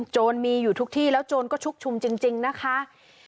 โจรมีอยู่ทุกที่แล้วโจรก็ชุกชุมจริงนะคะ